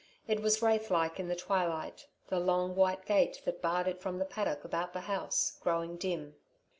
It was wraith like in the twilight, the long white gate that barred it from the paddock about the house, growing dim.